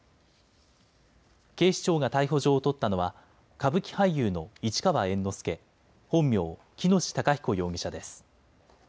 警視庁が逮捕状を取ったのは歌舞伎俳優の市川猿之助、本名、喜熨斗孝彦容疑者です。